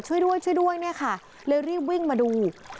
ช่วยด้วยเลยรีบวิ่งมาดู